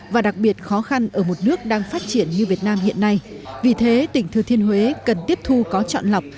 và đặc biệt khó khăn ở một nước đang phát triển như việt nam hiện nay vì thế tỉnh thừa thiên huế cần tiếp thu có chọn lọc